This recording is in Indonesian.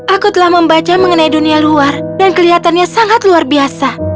aku telah membaca mengenai dunia luar dan kelihatannya sangat luar biasa